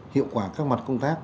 hiệu quả các mặt công tác